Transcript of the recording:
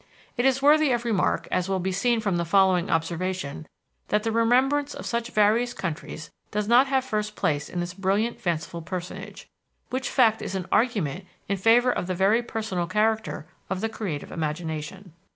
It is worthy of remark, as will be seen from the following observation, that the remembrance of such various countries does not have first place in this brilliant, fanciful personage which fact is an argument in favor of the very personal character of the creative imagination.